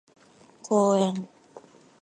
公園